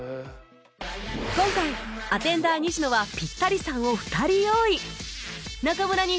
今回アテンダー西野はピッタリさんを２人用意